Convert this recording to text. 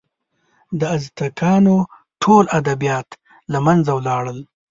د ازتکانو ټول ادبیات له منځه ولاړل.